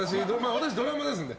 私、ドラマですんで。